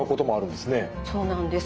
そうなんです。